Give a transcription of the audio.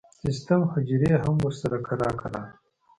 سټیم حجرې هم ورسره کرار کرار